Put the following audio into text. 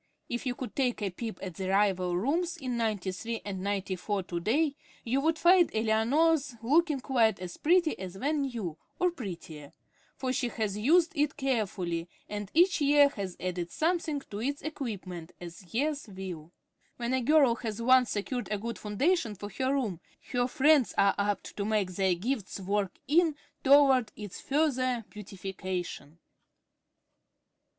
If you could take a peep at the rival rooms in Ninety three and Ninety four to day, you would find Eleanor's looking quite as pretty as when new, or prettier; for she has used it carefully, and each year has added something to its equipments, as years will. When a girl has once secured a good foundation for her room, her friends are apt to make their gifts work in toward its further beautification.